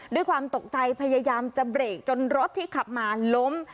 ด้วยความตกใจพยายามจะเบรกจนรถที่ขับมาล้ม